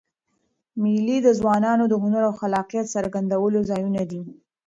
مېلې د ځوانانو د هنر او خلاقیت څرګندولو ځایونه دي.